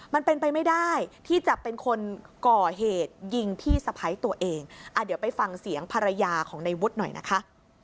มันเป็นไปไม่ได้ที่จะเป็นคนก่อเหตุยิงพี่สะพ้ายตัวเองอ่ะเดี๋ยวไปฟังเสียงภรรยาของในวุฒิหน่อยนะคะ